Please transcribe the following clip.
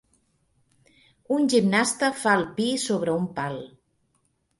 Un gimnasta fa el pi sobre un pal.